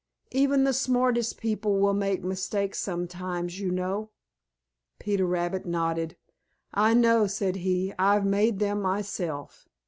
Even the smartest people will make mistakes sometimes, you know." Peter Rabbit nodded, "I know," said he. "I've made them myself."